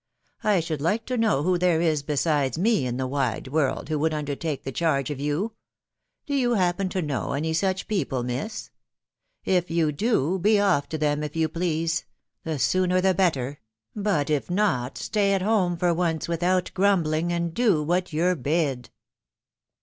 ... I should like to know who there is besides me in the wide world who would undertake the charge of you ?.... Do you happen to know any such people, miss ?.... If you do, be off to them if ^ou A A 3 <M8 THE WIDOW BARNABY. please — the sooner the better ;.••• but if not, stay at hone for once without grumbling, and do what you're bid."